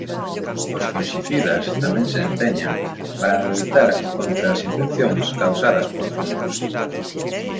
Os funxicidas tamén se empreñan para loitar contra as infeccións causadas por fungos.